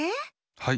はい。